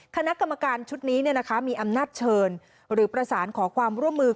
คณะกรรมการชุดนี้มีอำนาจเชิญหรือประสานขอความร่วมมือ